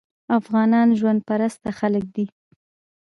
افغانان ژوند پرسته خلک دي.